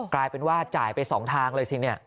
กลายเป็นว่าจ่ายไป๒ทางเลยสิเนี่ย